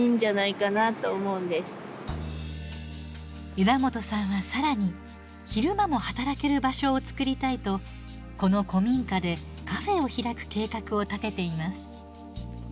枝元さんは更に昼間も働ける場所を作りたいとこの古民家でカフェを開く計画を立てています。